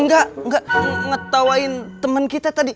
nggak ngetawain teman kita tadi